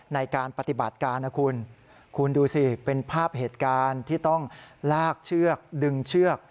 ในการปฏิบัติการนะคุณคุณดูสิเป็นภาพเหตุการณ์ที่ต้องลากเชือกดึงเชือก